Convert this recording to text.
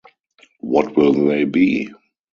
What will they be?